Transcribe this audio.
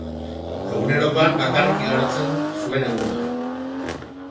Egunerokoan, bakarrik igarotzen zuen eguna.